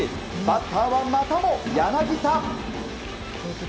バッターは、またも柳田。